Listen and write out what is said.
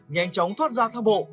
nhanh chóng thoát ra thang bộ